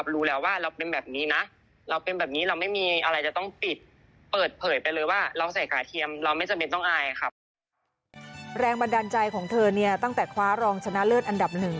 แรงบันดาลใจของเธอเนี่ยตั้งแต่คว้ารองชนะเลิศอันดับหนึ่ง